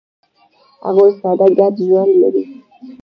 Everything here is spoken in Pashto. هغوی ساده ګډ ژوند لري.